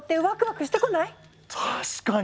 確かに！